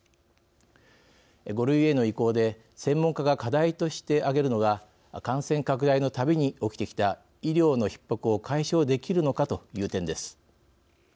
５類への移行で専門家が課題として挙げるのが感染拡大の度に起きてきた医療のひっ迫を解消できるのかという点です。